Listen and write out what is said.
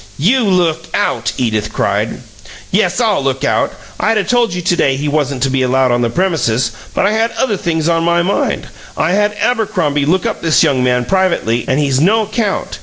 "You look out!" Edith cried. "Yes, I'll look out! I'd 'a' told you to day he wasn't to be allowed on the premises, but I had other things on my mind. I had Abercrombie look up this young man privately, and he's no 'count.